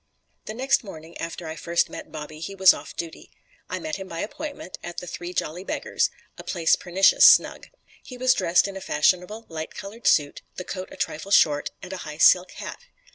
The next morning after I first met Bobby he was off duty. I met him by appointment at the Three Jolly Beggars (a place pernicious snug). He was dressed in a fashionable, light colored suit, the coat a trifle short, and a high silk hat.